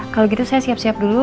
kalau gitu saya siap siap dulu